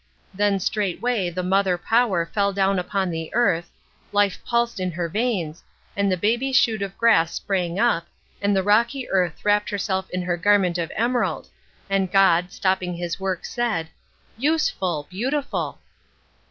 Then straightway the mother power fell down upon the earth, life pulsed in her veins, and the baby shoot of grass sprang up, and the rocky earth wrapped herself in her garment of emerald, and God, stopping his work said, 'Useful, beautiful!'"